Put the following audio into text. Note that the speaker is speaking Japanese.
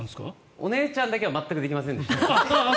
お姉さんは全くできませんでした。